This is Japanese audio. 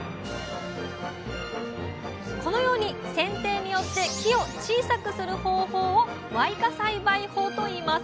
このように剪定によって木を小さくする方法を「矮化栽培法」といいます。